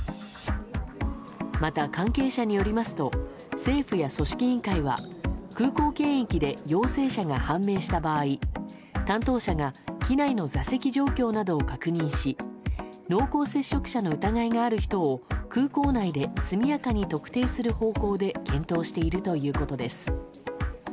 また、関係者によりますと政府や組織委員会は空港検疫で陽性者が判明した場合担当者が機内の座席状況などを確認し濃厚接触者の疑いがある人を空港内で速やかに特定する方向で検討しているということです。